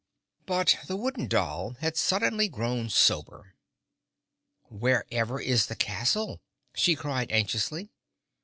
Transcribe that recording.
But the Wooden Doll had suddenly grown sober. "Wherever is the castle?" she cried anxiously.